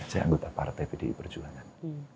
saya anggota partai pdi perjuangan